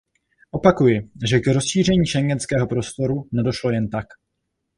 Opakuji, že k rozšíření schengenského prostoru nedošlo jen tak.